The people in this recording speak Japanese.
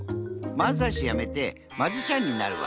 まんざいしやめてマジシャンになるわ。